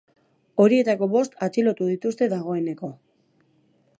Horietako bost atxilotu dituzte dagoeneko.